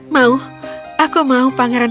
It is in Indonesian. mau aku mau pangeran